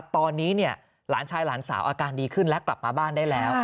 ตอนนี้หลานชายหลานสาวอาการดีขึ้นและกลับมาบ้านได้แล้ว